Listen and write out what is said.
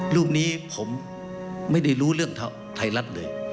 รูปนี้ผมไม่ได้รู้เรื่องไทยรัฐเลย